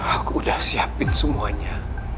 aku udah siapin semuanya